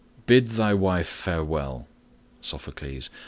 Bid thy wife farewell. Sophocles.